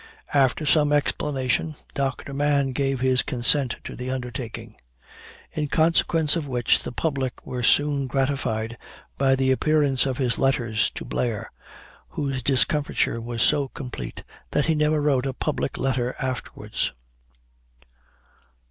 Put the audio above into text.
After some explanation, Doctor Mann gave his consent to the undertaking; in consequence of which the public were soon gratified by the appearance of his letters to Blair, whose discomfiture was so complete that he never wrote a public letter afterwards.